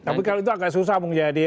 tapi kalau itu agak susah mau jadi